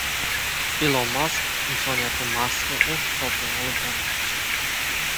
Ilon Mask insoniyatni Marsga o‘z hisobidan olib bormoqchi